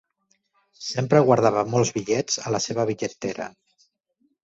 Sempre guardava molts bitllets a la seva bitlletera